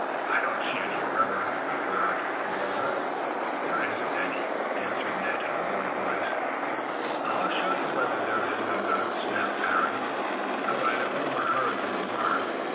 "I don't see any river," averred Walter. "There isn't any," answered Ned, in a low voice. "I'll show you whether there is or not," snapped Parry, who had overheard the remark.